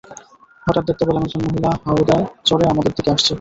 হঠাৎ দেখতে পেলাম, একজন মহিলা হাওদায় চড়ে আমাদের দিকে আসছে।